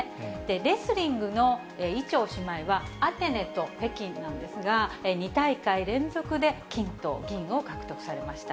レスリングの伊調姉妹はアテネと北京なんですが、２大会連続で金と銀を獲得されました。